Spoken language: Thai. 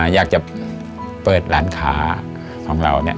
อยากจะเปิดร้านค้าของเราเนี่ย